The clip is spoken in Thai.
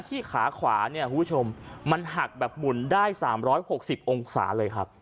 ที่ขาขวาเนี่ยผู้ชมมันหักแบบหมุนได้สามร้อยหกสิบองศาเลยครับ